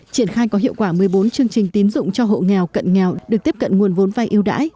triển khai có hiệu quả một mươi bốn chương trình tín dụng cho hộ nghèo cận nghèo được tiếp cận nguồn vốn vai yêu đãi